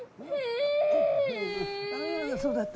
あそうだった。